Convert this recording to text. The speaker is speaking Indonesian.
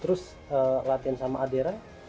terus latihan sama adera